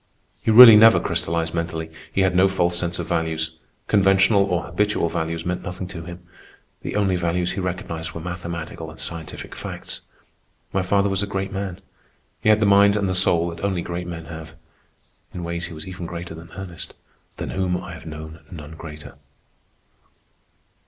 He really never crystallized mentally. He had no false sense of values. Conventional or habitual values meant nothing to him. The only values he recognized were mathematical and scientific facts. My father was a great man. He had the mind and the soul that only great men have. In ways he was even greater than Ernest, than whom I have known none greater.